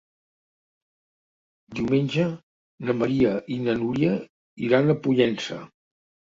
Diumenge na Maria i na Núria iran a Pollença.